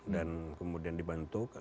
dan kemudian dibantu